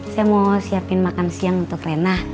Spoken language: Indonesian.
saya mau siapin makan siang untuk rena